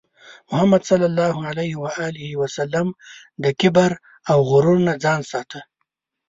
محمد صلى الله عليه وسلم د کبر او غرور نه ځان ساته.